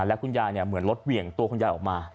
แล้วคุณยายเหมือนรถเหวี่ยงตัวคุณยายออกมา